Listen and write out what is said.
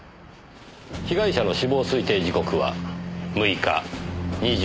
被害者の死亡推定時刻は６日２２時から２４時頃。